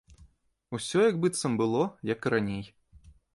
Усё як быццам было, як і раней.